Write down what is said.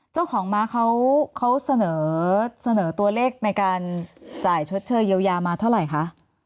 เจ้าของม้าเขาเสนอตัวเลขในการจ่ายชดเชยเยียวยามาเท่าไหร่คะ